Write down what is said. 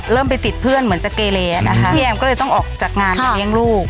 ไปติดเพื่อนเหมือนจะเกเลนะคะพี่แอมก็เลยต้องออกจากงานมาเลี้ยงลูก